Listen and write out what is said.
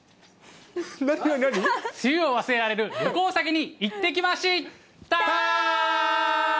梅雨を忘れられる旅行先に行ってきました。